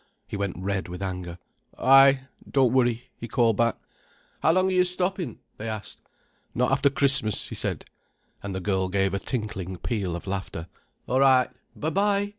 He went red with anger. "Ay—don't worry," he called back. "How long are yer stoppin'?" they asked. "Not after Christmas," he said. And the girl gave a tinkling peal of laughter. "All right—by bye!"